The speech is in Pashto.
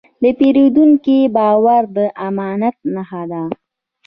د پیرودونکي باور د امانت نښه ده.